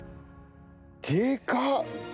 でかっ！